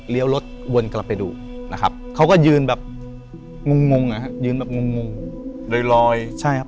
รถวนกลับไปดูนะครับเขาก็ยืนแบบงงงอ่ะฮะยืนแบบงงงลอยใช่ครับ